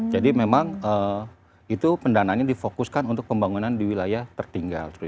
jadi memang itu pendanaannya difokuskan untuk pembangunan di wilayah tertinggal